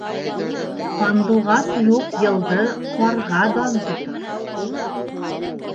Һандуғас юҡ йылды ҡарға дан тотор.